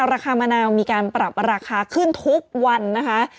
ราคามะนาวมีการปรับราคาขึ้นทุกวันนะคะ